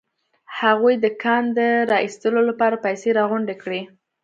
هغوی د کان د را ايستلو لپاره پيسې راغونډې کړې.